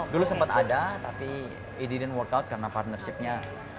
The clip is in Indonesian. dulu sempat ada tapi it didn't work out karena partnershipnya